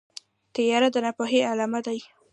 تیاره د ناپوهۍ علامه ده.